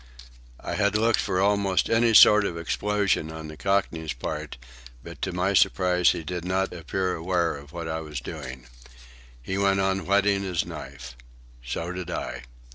I had looked for almost any sort of explosion on the Cockney's part, but to my surprise he did not appear aware of what I was doing. He went on whetting his knife. So did I.